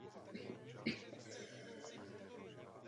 Ráda bych také řekla několik málo slov o byrokracii.